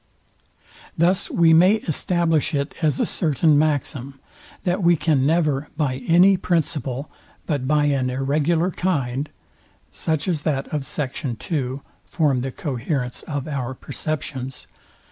Thus we may establish it as a certain maxim, that we can never, by any principle, but by an irregular kind form the coherence of our perceptions.